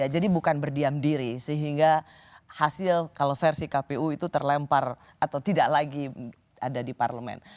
jadi bukan berdiam diri sehingga hasil kalau versi kpu itu terlempar atau tidak lagi ada di parlemen